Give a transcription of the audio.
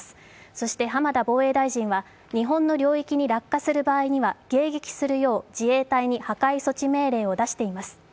そして浜田防衛大臣は日本の領域に落下する場合には迎撃するよう自衛隊に破壊措置命令を出しています。